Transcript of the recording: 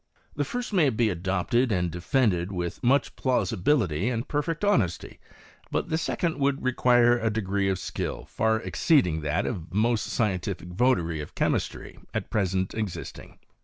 The first nray be adopted and defended with much plausibility and perfect honesty ; but the second would require a degree of skill far exceeding that of the most scientific votary of chemistry at present existing.